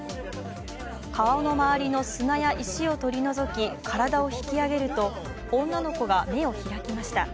顔の周りの砂や石を取り除き体を引き上げると女の子が目を開きました。